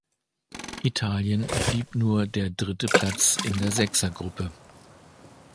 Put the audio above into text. Italien blieb nur der dritte Platz in der Sechsergruppe.